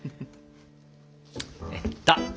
えっと。